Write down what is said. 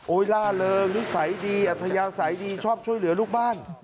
ล่าเริงนิสัยดีอัธยาศัยดีชอบช่วยเหลือลูกบ้าน